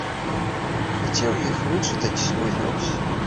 Хацеў у іх вычытаць свой лёс.